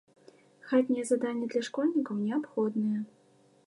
Хатнія заданні для школьнікаў неабходныя.